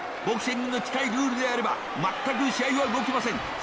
ボクシングに近いルールであれば全く試合は動きません。